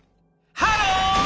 「ハロー！